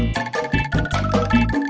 mak baru masuk